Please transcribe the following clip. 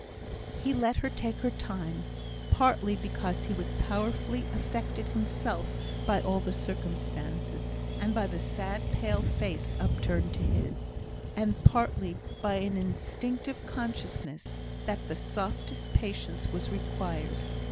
He let her take her time, partly because he was powerfully affected himself by all the circumstances, and by the sad pale face upturned to his; and partly by an instinctive consciousness that the softest patience was required.